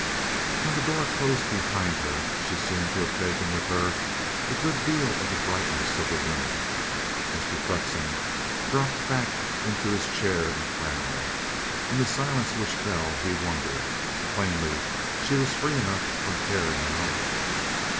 When the door closed behind her, she seemed to have taken with her a good deal of the brightness of the room. Mr. Flexen dropped back into his chair and frowned. In the silence which fell he wondered. Plainly she was free enough from care now.